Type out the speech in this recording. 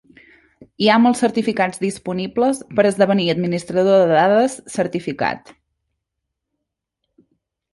Hi ha molts certificats disponibles per esdevenir administrador de dades certificat.